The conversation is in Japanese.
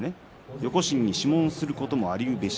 横審に諮問することもありうる